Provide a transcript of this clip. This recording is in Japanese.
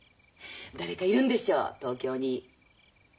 誰かいるんでしょ東京に。